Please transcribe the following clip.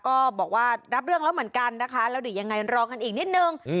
ก็บอกว่ารับเรื่องแล้วเหมือนกันนะคะแล้วเดี๋ยวยังไงรอกันอีกนิดนึง